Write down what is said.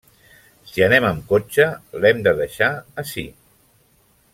Si anem amb cotxe, l'hem de deixar ací.